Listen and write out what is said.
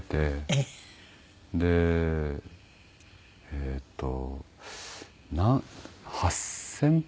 ええ。でえっと８０００歩？